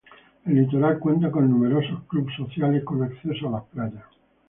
El litoral cuenta con numerosos clubes sociales con acceso a las playas.